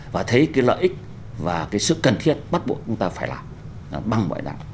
và thấy cái lợi ích và cái sự cần thiết bắt buộc chúng ta phải làm bằng mọi đảng